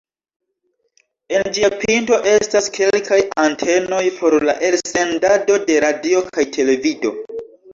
En ĝia pinto estas kelkaj antenoj por la elsendado de radio kaj televido.